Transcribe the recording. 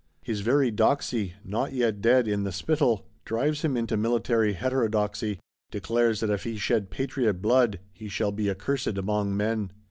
His very doxy, not yet "dead i' the spital," drives him into military heterodoxy; declares that if he shed Patriot blood, he shall be accursed among men.